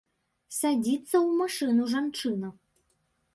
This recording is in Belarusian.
Садзіцца ў машыну жанчына.